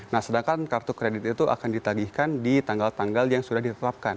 nah sedangkan kartu kredit itu akan ditagihkan di tanggal tanggal yang sudah ditetapkan